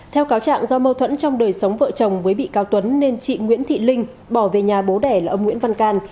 theo cáo trạng do mâu thuẫn trong đời sống vợ chồng với bị cáo tuấn nên chị nguyễn thị linh bỏ về nhà bố đẻ là ông nguyễn văn can